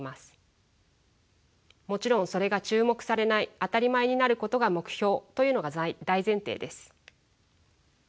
もちろんそれが注目されない当たり前になることが目標というのが大前提です。